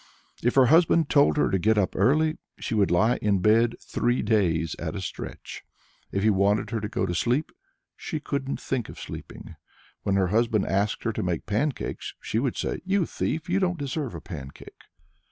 If her husband told her to get up early, she would lie in bed three days at a stretch; if he wanted her to go to sleep, she couldn't think of sleeping. When her husband asked her to make pancakes, she would say: "You thief, you don't deserve a pancake!"